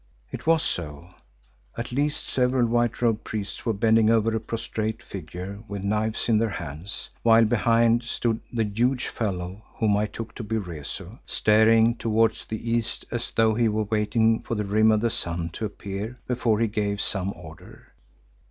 It was so; at least several white robed priests were bending over a prostrate figure with knives in their hands, while behind stood the huge fellow whom I took to be Rezu, staring towards the east as though he were waiting for the rim of the sun to appear before he gave some order.